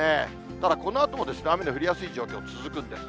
ただこのあとも雨の降りやすい状況続くんです。